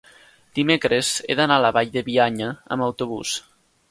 dimecres he d'anar a la Vall de Bianya amb autobús.